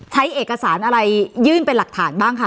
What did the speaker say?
ใช้เอกสารอะไรยื่นเป็นหลักฐานบ้างคะ